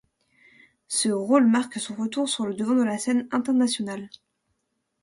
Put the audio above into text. Ce rôle marque son retour sur le devant de la scène internationale.